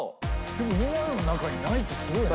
でも今の中にないってすごいね。